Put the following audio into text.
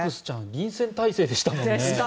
臨戦態勢でしたね。